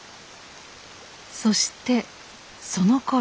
そしてそのころ。